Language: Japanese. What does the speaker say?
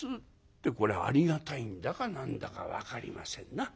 ってこれありがたいんだか何だか分かりませんな。